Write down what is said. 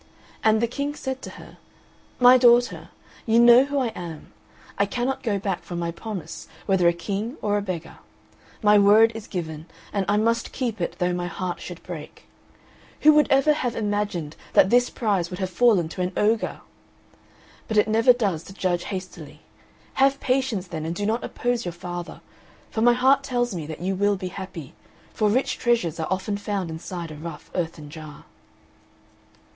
And the King said to her, "My daughter, you know who I am. I cannot go back from my promise whether a king or a beggar. My word is given, I must keep it though my heart should break. Who would ever have imagined that this prize would have fallen to an ogre! But it never does to judge hastily. Have patience then and do not oppose your father; for my heart tells me that you will be happy, for rich treasures are often found inside a rough earthen jar."